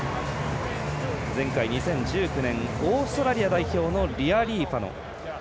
前回２０１９年オーストラリア代表のリアリーファノ。